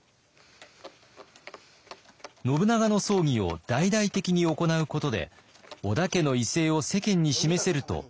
信長の葬儀を大々的に行うことで織田家の威勢を世間に示せると秀吉は考えていました。